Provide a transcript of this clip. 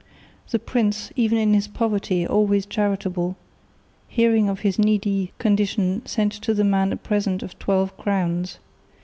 The prince, even in his poverty always charitable, hearing of his needy condition sent to the man a present of twelve crowns.